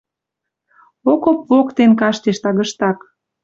Окоп воктен каштеш тагыштак.